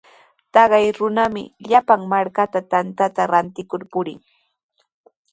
Taqay runami llapan markapa tantata rantikur purin.